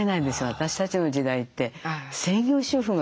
私たちの時代って専業主婦が。